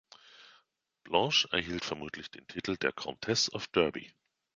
Blanche erhielt vermutlich den Titel der "Countess of Derby".